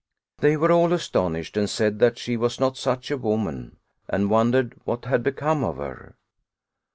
They were all astonished and said that she was not such a woman, and wondered what had be come of her.